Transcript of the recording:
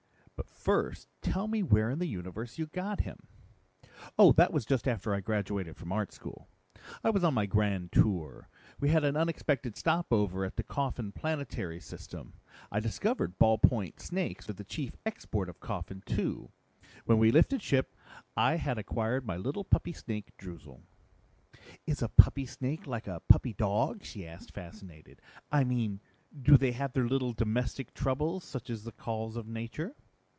But first tell me where in the universe you got him." "Oh, that was just after I graduated from art school. I was on my grand tour. We had an unexpected stopover at the Coffin planetary system. I discovered ballpoint snakes are the chief export of Coffin Two. When we lifted ship, I had acquired my little puppy snake, Droozle." "Is a puppy snake like a puppy dog?" she asked, fascinated. "I mean, do they have their little domestic troubles, such as the calls of nature?"